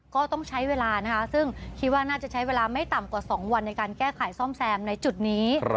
ก็ต้องใช้เวลานะคะซึ่งคิดว่าน่าจะใช้เวลาไม่ต่ำกว่า๒วันในการแก้ไขซ่อมแซมในจุดนี้